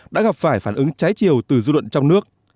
đã gặp phải phản ứng trái chiều từ dư luận trong nước